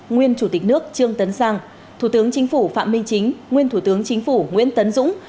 nguyên chủ tịch nước trương tấn sang thủ tướng chính phủ phạm minh chính nguyên thủ tướng chính phủ nguyễn tấn dũng